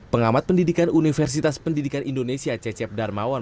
pengamat pendidikan universitas pendidikan indonesia cecep darmawan